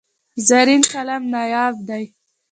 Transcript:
زرین قلم نایاب دی.